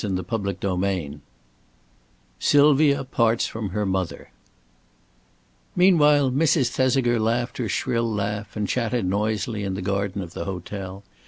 CHAPTER VIII SYLVIA PARTS FROM HER MOTHER Meanwhile Mrs. Thesiger laughed her shrill laugh and chatted noisily in the garden of the hotel.